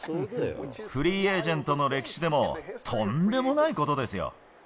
フリーエージェントの歴史でも、とんでもないことですよ。